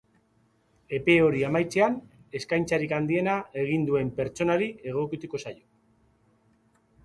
Epe hori amaitzean, eskaintzarik handiena egin duen pertsonari egokituko zaio.